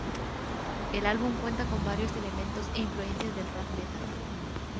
El álbum cuenta con varios elementos e influencias del rap metal.